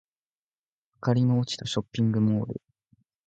明かりの落ちたショッピングモール